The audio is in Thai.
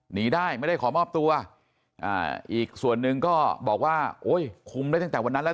หนีได้ไม่ได้ขอมอบตัวอีกส่วนหนึ่งก็บอกว่าโอ้ยคุมได้ตั้งแต่วันนั้นแล้ว